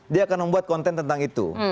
dia akan membuat konten tentang itu